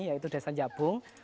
yaitu desa jabung